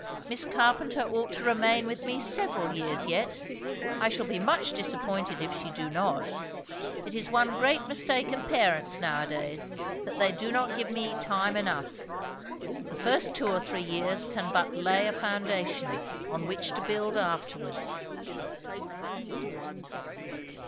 Miss Carpenter ought to remain with me several years yet. I shall be much disappointed if she do not. It is one great mistake of parents now a days, that they do not give me time enough. The first two or three years can but lay a foundation, on which to build afterwards."